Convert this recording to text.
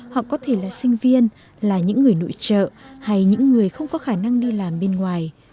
họ có thể là sinh viên là những người nội trợ hay những người không có khả năng đi làm bên ngoài